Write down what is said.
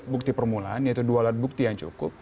bukti permulaan yaitu dua alat bukti yang cukup